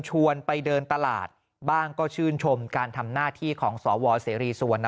ชวนไปเดินตลาดบ้างก็ชื่นชมการทำหน้าที่ของสวเสรีสุวรรณ